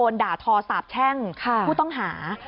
ด่าทอสาบแช่งผู้ต้องหา